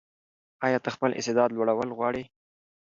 ایا ته خپل استعداد لوړول غواړې؟